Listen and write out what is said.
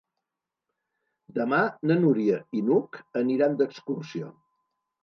Demà na Núria i n'Hug aniran d'excursió.